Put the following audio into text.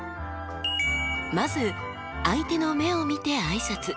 まず相手の目を見て挨拶。